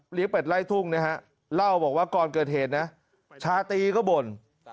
เป็ดไล่ทุ่งนะฮะเล่าบอกว่าก่อนเกิดเหตุนะชาตรีก็บ่น